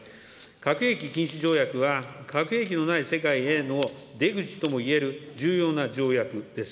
核兵器禁止条約は、核兵器のない世界への出口ともいえる重要な条約です。